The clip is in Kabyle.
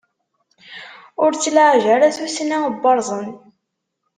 Ur ttlaɛej ara tussna n waṛẓen!